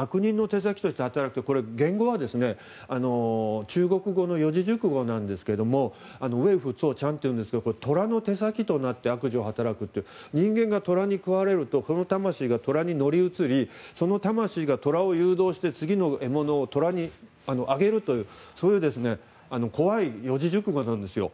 悪人の手先として働くってこれ、言語は中国語の四字熟語なんですが虎の手先となって悪事を働くという意味で人間が虎に食われるとその魂が虎に乗り移りその魂がトラを誘導して次の獲物をトラにあげるという怖い四字熟語なんですよ。